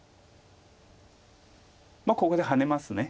ここでハネます。